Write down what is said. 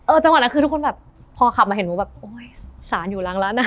จังหวะนั้นคือทุกคนแบบพอขับมาเห็นหนูแบบโอ๊ยสารอยู่หลังร้านน่ะ